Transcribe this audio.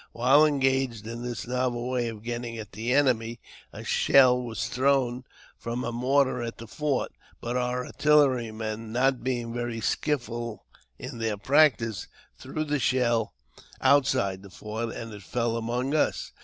While engaged in this novel way of getting at the enemy, a shell was thrown from a mortar at the fort ; but our artillerymen, not being very skilful in their practice, threw the shell out side the fort, and it fell among us.